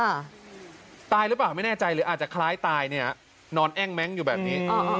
ตายหรือเปล่าไม่แน่ใจหรืออาจจะคล้ายตายเนี่ยนอนแอ้งแม้งอยู่แบบนี้